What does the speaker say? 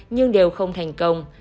nhưng đều không thành công